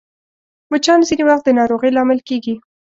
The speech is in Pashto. مچان ځینې وخت د ناروغۍ لامل کېږي